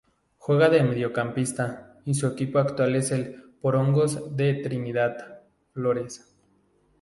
Juega de mediocampista y su equipo actual es Porongos de Trinidad, Flores.